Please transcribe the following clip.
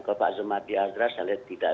kalau pak zumardi azra saya lihat tidak